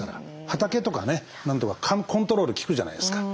畑とかねなんとかコントロール利くじゃないですか。